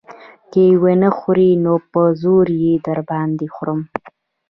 که يې ونه خورې نو په زور يې در باندې خورم.